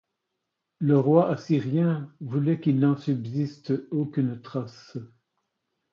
Le roi assyrien voulait qu'il n'en subsiste aucune trace.